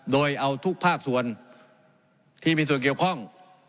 โดยเอาทุกภาคส่วนที่มีส่วนเกี่ยวข้อง